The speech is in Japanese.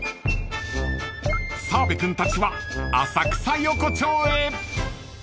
［澤部君たちは浅草横町へ］